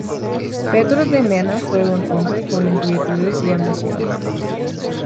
Pedro de Mena fue un hombre con inquietudes y ambición.